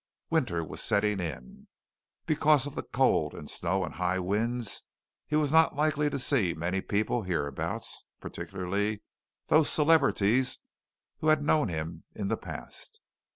Winter was setting in. Because of the cold and snow and high winds, he was not likely to see many people hereabouts particularly those celebrities who had known him in the past.